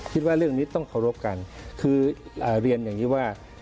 คิดว่าเรื่องนี้ต้องเคารพกันคือเรียนอย่างนี้ว่า